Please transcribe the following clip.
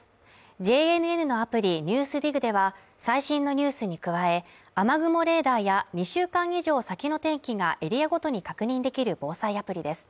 ＪＮＮのアプリ「ＮＥＷＳＤＩＧ」では最新のニュースに加え、雨雲レーダーや２週間以上先の天気がエリアごとに確認できる防災アプリです。